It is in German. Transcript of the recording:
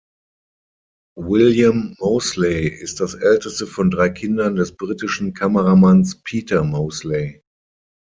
William Moseley ist das älteste von drei Kindern des britischen Kameramanns Peter Moseley.